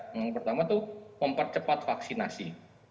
yang pertama itu mempercepat vaksinasi